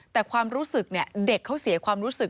แต่ความรู้สึกเด็กเขาเสียความรู้สึก